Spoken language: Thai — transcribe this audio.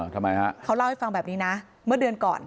ทำไมฮะเขาเล่าให้ฟังแบบนี้นะเมื่อเดือนก่อน